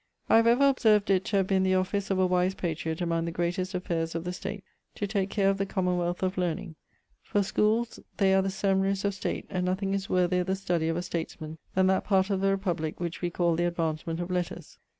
I have ever observ'd it to have been the office of a wise patriot among the greatest affaires of the state to take care of the commonwealth of learning, for schooles they are the seminaries of state and nothing is worthier the study of a statesman then that part of the republick which wee call the advancement of letters.